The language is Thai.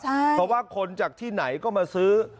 เพราะว่าคนจากที่ไหนก็มาซื้อ